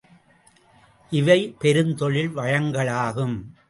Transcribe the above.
இவை பெருந்தொழில் வளங்களாகும்.